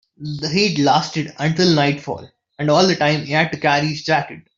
The heat lasted until nightfall, and all that time he had to carry his jacket.